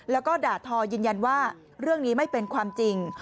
แล้วก็ด่าทอยืนยันว่าเรื่องนี้ไม่เป็นความจริง